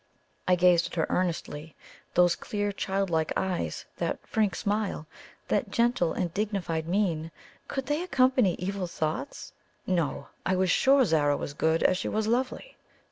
I gazed at her earnestly. Those clear childlike eyes that frank smile that gentle and dignified mien could they accompany evil thoughts? No! I was sure Zara was good as she was lovely.